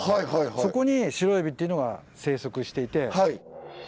そこにシロエビっていうのが生息していて。